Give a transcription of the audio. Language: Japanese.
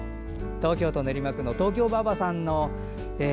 東京・練馬区の東京ばあばさん。